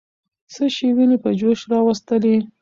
څه شی ويني په جوش راوستلې؟